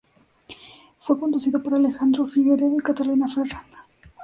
Fue conducido por Alejandro Figueredo y Catalina Ferrand.